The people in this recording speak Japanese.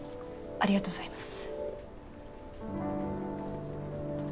ありがとうございます。